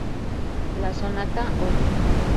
La Sonata Op.